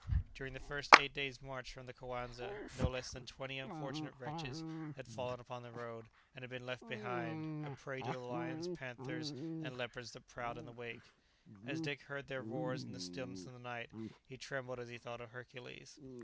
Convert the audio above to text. During the first eight days' march from the Coanza no less than twenty unfortunate wretches had fallen upon the road, and had been left behind, a prey to the lions, panthers, and leopards that prowled in the wake. As Dick heard their roars in the stillness of the night, he trembled as he thought of Hercules.